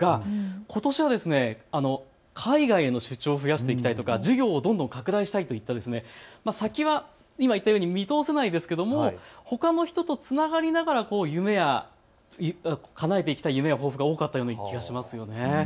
ことしは海外への出張を増やしていきたいとか事業をどんどん拡大したいとか先はまだ見通せないですがほかの人とつながりながら夢をかなえていきたいという抱負が多かった気がします。